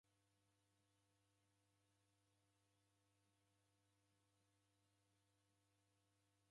W'omi w'engi w'alwa na kudungumia na dilo w'ikameria kuja vindo.